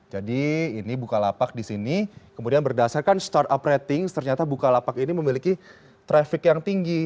jadi ini bukalapak di sini kemudian berdasarkan startup ratings ternyata bukalapak ini memiliki traffic yang tinggi